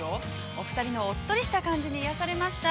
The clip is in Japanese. お二人のおっとりした感じに癒やされました。